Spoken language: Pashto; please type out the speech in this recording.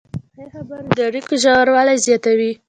ښې خبرې د اړیکو ژوروالی زیاتوي.